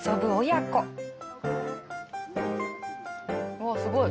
うわっすごい！